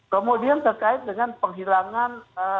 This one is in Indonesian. kemudian terkait dengan penghilangan